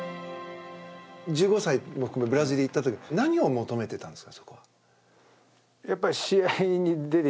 １５歳でブラジルに行った時何を求めていたんですか。